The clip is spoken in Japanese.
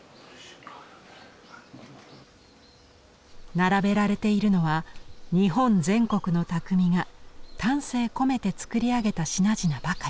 並べられているのは日本全国の匠が丹精込めて作り上げた品々ばかり。